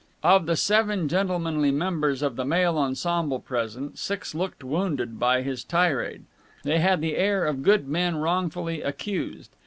Of the seven gentlemanly members of the male ensemble present, six looked wounded by this tirade. They had the air of good men wrongfully accused.